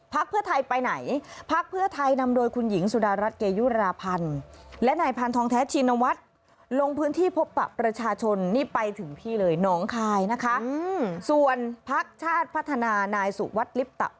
พักเพื่อไทยไปไหนพักเพื่อไทยนำโดยคุณหญิงสุดารัจเปรยุลาพันธ์